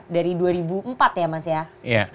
dari dua ribu empat ya mas ya